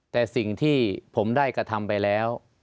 แต่สิ่งที่ผมได้กระทำไปแล้ว